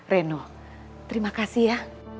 reno terima kasih ya